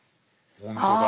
ほんとだ。